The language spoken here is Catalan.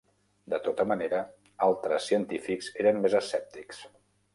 De tota manera, altres científics eren més escèptics.